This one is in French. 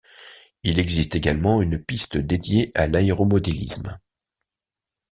Il existe également une piste dédiée à l'aéromodélisme.